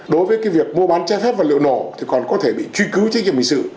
đối với việc mua bán che phép vật liệu nổ thì còn có thể bị truy cứu trách nhiệm hình sự